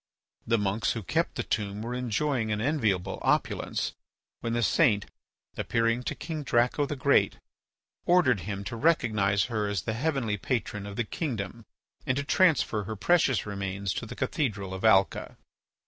The monks who kept the tomb were enjoying an enviable opulence, when the saint, appearing to King Draco the Great, ordered him to recognise her as the heavenly patron of the kingdom and to transfer her precious remains to the cathedral of Alca.